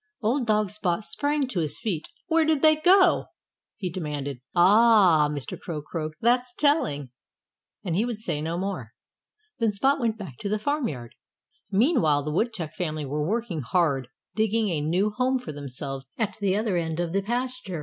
Old dog Spot sprang to his feet. "Where did they go?" he demanded. "Ah!" Mr. Crow croaked. "That's telling." And he would say no more. Then Spot went back to the farmyard. Meanwhile the Woodchuck family were working hard, digging a new home for themselves at the other end of the pasture.